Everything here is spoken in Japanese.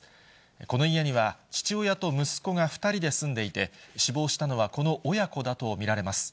この家には、父親と息子が２人で住んでいて、死亡したのはこの親子だと見られます。